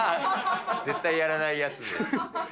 絶対やらないやつ。